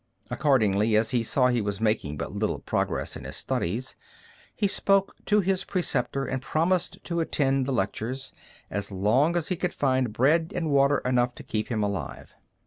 Accordingly, as he saw he was making but little progress in his studies, he spoke to his preceptor and promised to attend the lectures, as long as he could find bread and water enough to keep him alive.